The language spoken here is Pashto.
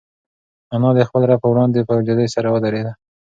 انا د خپل رب په وړاندې په عاجزۍ سره ودرېده.